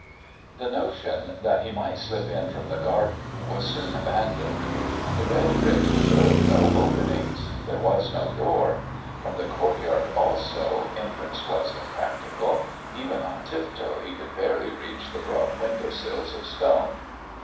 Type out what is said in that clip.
The notion that he might slip in from the garden was soon abandoned; the red bricks showed no openings; there was no door; from the courtyard, also, entrance was impracticable; even on tiptoe he could barely reach the broad window sills of stone.